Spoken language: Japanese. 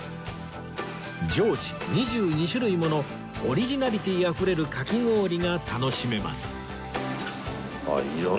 常時２２種類ものオリジナリティーあふれるかき氷が楽しめます